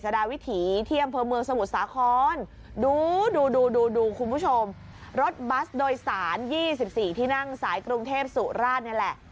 ดูคุณผู้ชมรถบัสโดยสาร๒๔ที่นั่งสายกรุงเทพศุราชนี่แหละ